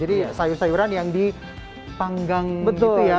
jadi sayur sayuran yang dipanggang gitu ya